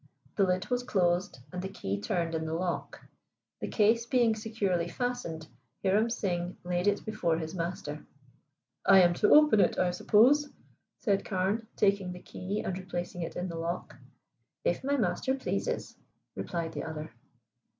the lid was closed, and the key turned in the lock. The case being securely fastened, Hiram Singh laid it before his master. "I am to open it, I suppose?" said Carne, taking the key and replacing it in the lock. "If my master pleases," replied the other.